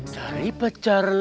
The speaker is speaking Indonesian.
cari pacar lagi